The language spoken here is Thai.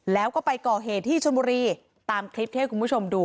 แล้วก็ไปก่อเหตุที่ชนบุรีตามคลิปที่ให้คุณผู้ชมดู